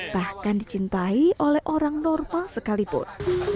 bahkan dicintai oleh orang normal sekalipun